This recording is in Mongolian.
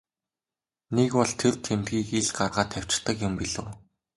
Нэг бол тэр тэмдгийг ил гаргаад тавьчихдаг юм билүү.